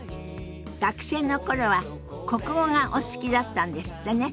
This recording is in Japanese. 学生の頃は国語がお好きだったんですってね。